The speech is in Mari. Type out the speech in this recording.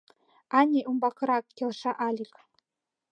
— Ане, умбакырак, — келша Алик.